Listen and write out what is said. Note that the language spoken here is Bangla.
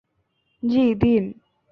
জ্বি, দিন।